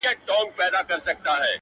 تم سه چي مسکا ته دي نغمې د بلبل واغوندم,